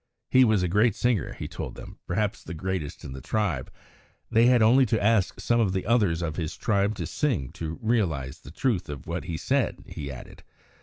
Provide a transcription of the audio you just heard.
He was a great singer, he told them, perhaps the greatest in the tribe. They had only to ask some of the others of his tribe to sing to realise the truth of what he said, he added.